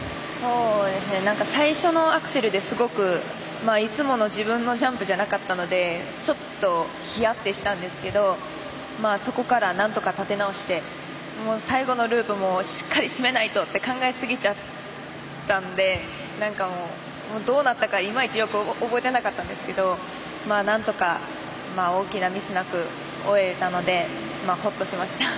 最初のアクセルですごくいつもの自分のジャンプじゃなかったのでちょっとひやってしたんですけどそこから、なんとか立て直して最後のループもしっかり締めないとって考えすぎちゃったのでどうなったか、いまいちよく覚えてなかったんですけどなんとか、大きなミスなく終えれたのでほっとしました。